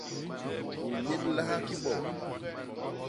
U nnyémlaha ki bo?